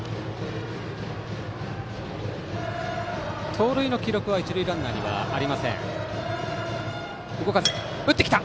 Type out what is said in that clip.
盗塁の記録は一塁ランナーにはありません。